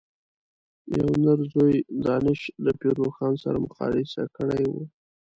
یوه نر ځوی دانش له پير روښان سره مقايسه کړی و.